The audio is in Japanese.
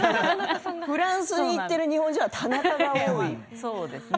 フランスに行っている日本人はタナカが多いですね。